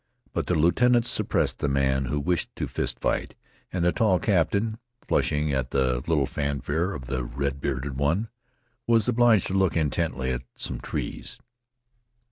But the lieutenant suppressed the man who wished to fist fight, and the tall captain, flushing at the little fanfare of the red bearded one, was obliged to look intently at some trees.